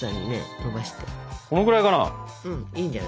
このぐらいかな。